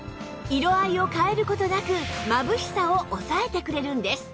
色合いを変える事なくまぶしさを抑えてくれるんです